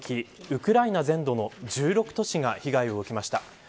ウクライナ全土の１６都市が被害を受けました。